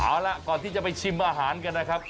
เอาล่ะก่อนที่จะไปชิมอาหารกันนะครับ